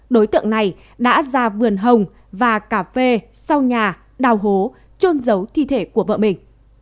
đối tượng này đã ra vườn hồng và cà phê sau nhà đào hố trôn giấu thi thể của vợ mình